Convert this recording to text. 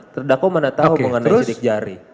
terdakwa mana tahu mengenai sidik jari